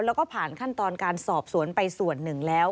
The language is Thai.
แล้วก็ผ่านขั้นตอนการสอบสวนไปส่วนหนึ่งแล้ว